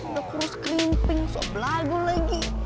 udah kurus kerimping sobelagu lagi